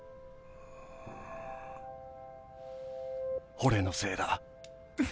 俺のせいだ。